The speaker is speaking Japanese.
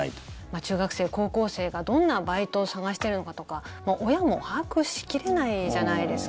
中学生、高校生がどんなバイトを探してるのかとか親も把握しきれないじゃないですか。